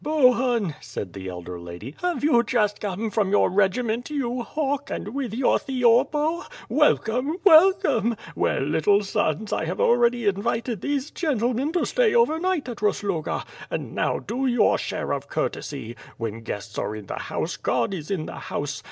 "Bohun," said the elder lady, "have you just come from your regiment, you hawk, and with your theorbo? Welcome! welcome! — Well, little sons, I have already invited these gentlemen to stay over night at Rosloga, and now do your share of courtesy. When guests are in the house God is in the house.